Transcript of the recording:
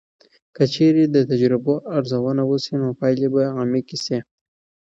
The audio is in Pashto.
که چیرې د تجربو ارزونه وسي، نو پایلې به عمیقې سي.